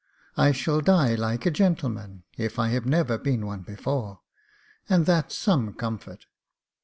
I shall die like a gentle man, if I have never been one before, that's some comfort.